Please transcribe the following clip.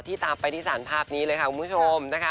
ที่ตามไปที่สารภาพนี้เลยค่ะคุณผู้ชม